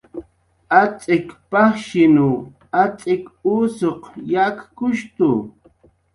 Atz'ik pajshinw atz'ik usuq yakkushtu